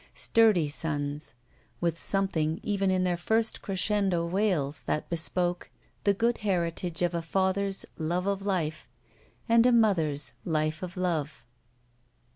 Sturdy sons, with something even in their first crescendo wails that bespoke the good heritage of a father's love of life and a mother's Kfe of love.